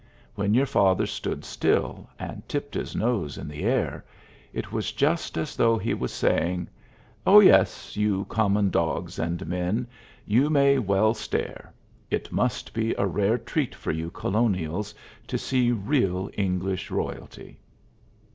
When your father stood still, and tipped his nose in the air, it was just as though he was saying, 'Oh, yes, you common dogs and men, you may well stare. It must be a rare treat for you colonials to see real English royalty.'